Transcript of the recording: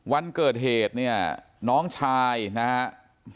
วันเกิดเหตุเนี่ยน้องชายนะครับ